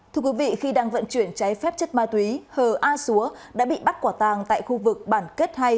thưa quý vị khi đang vận chuyển cháy phép chất ma túy hờ a xúa đã bị bắt quả tàng tại khu vực bản kết hai